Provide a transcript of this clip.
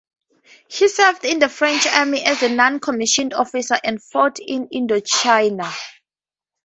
He served in the French Army as a non-commissioned officer and fought in Indochina.